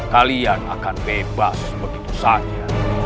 kalian akan bebas begitu saja